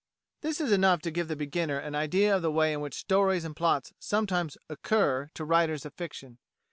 This is enough to give the beginner an idea of the way in which stories and plots sometimes "occur" to writers of fiction.